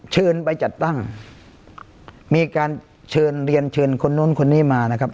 เชิญไปจัดตั้งมีการเชิญเรียนเชิญคนนู้นคนนี้มานะครับ